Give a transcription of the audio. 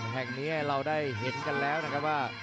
แห่งนี้เราได้เห็นกันแล้วนะครับว่า